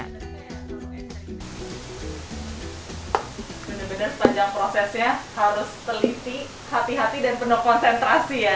benar benar sepanjang prosesnya harus teliti hati hati dan penuh konsentrasi ya